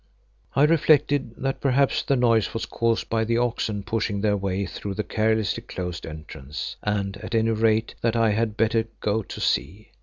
I reflected that perhaps the noise was caused by the oxen pushing their way through the carelessly closed entrance, and at any rate that I had better go to see.